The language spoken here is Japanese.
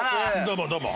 どうもどうも。